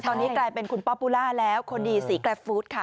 ตอนนี้กลายเป็นคุณป๊อปปูล่าแล้วคนดีสีกราฟฟู้ดค่ะ